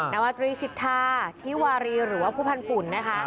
นวัตรีสิทธาพิวารีหรือว่าผู้พันธ์ฝุ่น